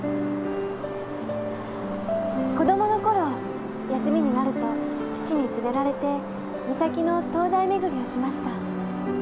子供のころ休みになると父に連れられて岬の灯台巡りをしました。